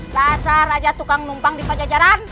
dasar raja tukang numpang di pajajaran